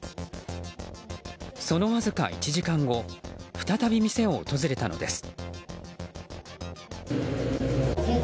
そのわずか１時間後再び店を訪れたのです。